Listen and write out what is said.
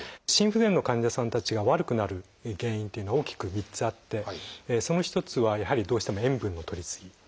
心不全の患者さんたちが悪くなる原因っていうのは大きく３つあってその一つはやはりどうしても「塩分のとりすぎ」。